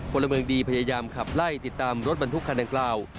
พลเมืองดีพยายามขับไล่ติดตามรถบรรทุกคันดังกล่าว